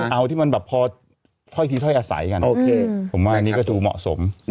เอาที่มันแบบพอที่ท่อยอาศัยกันผมว่านี่ก็ดูเหมาะสม